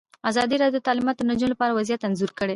ازادي راډیو د تعلیمات د نجونو لپاره وضعیت انځور کړی.